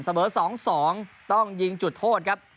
เสมอ๒๒ต้องยิงจุดโทษครับ